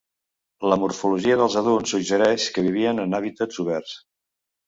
La morfologia dels adults suggereix que vivien en hàbitats oberts.